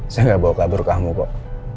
saya nggak bawa kabur kamu kok